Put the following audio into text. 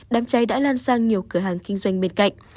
đám cháy đã lan sang nhiều cửa hàng kinh doanh bên cạnh